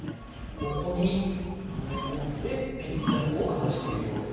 ここに埋め込んでピッとかざしているようです。